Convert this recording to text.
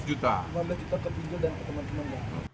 lima belas juta ke pinjol dan ke teman teman